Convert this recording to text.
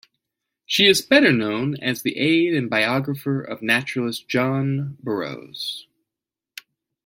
She is better known as the aid and biographer of naturalist John Burroughs.